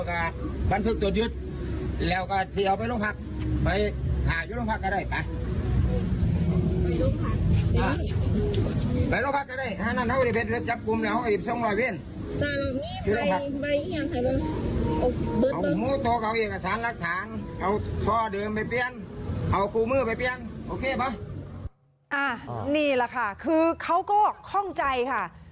นี่แหละค่ะคือเขาก็คล่องใจค่ะ